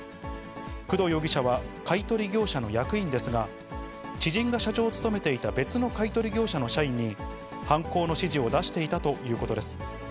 工藤容疑者は買い取り業者の役員ですが、知人が社長を務めていた別の買い取り業者の社員に犯行の指示を出していたということです。